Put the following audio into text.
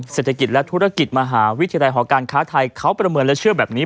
เศรษฐกิจและธุรกิจมหาวิทยาลัยหอการค้าไทยเขาประเมินและเชื่อแบบนี้